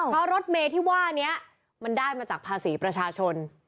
เพราะรถเมที่ว่านี้มันได้มาจากภาษีประชาชน